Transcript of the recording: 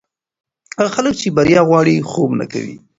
هغه خلک چې بریا غواړي، خوب نه کوي.